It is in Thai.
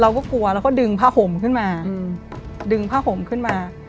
เราก็กลัวเราก็ดึงผ้าห่มขึ้นมาดึงผ้าห่มขึ้นมา